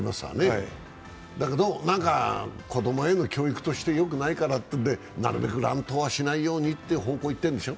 だけど子供への教育としてはよくないからということでなるべく乱闘はしないようにってなってるんでしょ？